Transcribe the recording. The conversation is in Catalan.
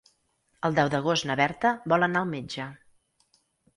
El deu d'agost na Berta vol anar al metge.